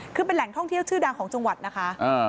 คือเป็นแหล่งท่องเที่ยวชื่อดังของจังหวัดนะคะ